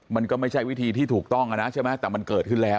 มันก็ไม่ใช่วิธีที่ถูกต้องนะใช่ไหมแต่มันเกิดขึ้นแล้ว